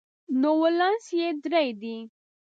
نو ولانس یې درې دی.